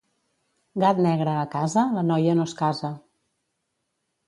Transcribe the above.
Gat negre a casa, la noia no es casa.